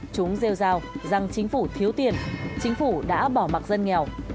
chúng rêu rào rằng chính phủ thiếu tiền chính phủ đã bỏ mặt dân nghèo